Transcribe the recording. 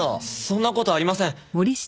そんな事ありません。